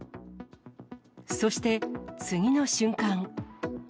そして、次の瞬間。